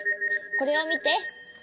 これをみて。